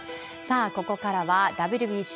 ここからはＷＢＣ